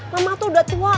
mama tuh udah tua